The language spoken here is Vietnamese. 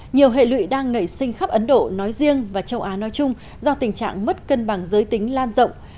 nhiều hệ lụy đang nảy sinh khắp ấn độ nói riêng và châu á nói chung do tình trạng mất cân bằng giới tính lan rộng